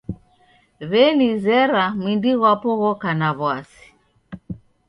W'enizera mwindi ghwapo ghoka na w'asi.